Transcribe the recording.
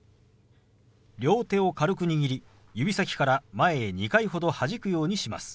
両手を軽く握り指先から前へ２回ほどはじくようにします。